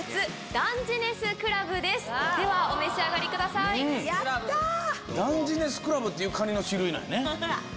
ダンジネスクラブっていうカニの種類なんやね。